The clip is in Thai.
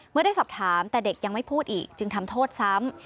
เมื่อได้สอบถามแต่เด็กยังไม่พูดอีกจึงทำโทษซ้ำ